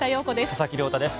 佐々木亮太です。